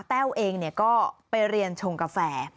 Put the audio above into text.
แต้วเองก็ไปเรียนชงกาแฟ